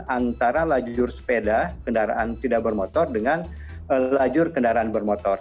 antara lajur sepeda kendaraan tidak bermotor dengan lajur kendaraan bermotor